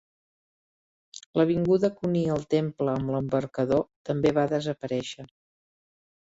L'avinguda que unia el temple amb l'embarcador també va desaparèixer.